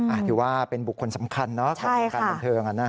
อาทิว่าเป็นบุคคลสำคัญนะครับในวงการบันเทิง